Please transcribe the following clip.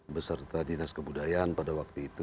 beserta dinas kebudayaan pada waktu itu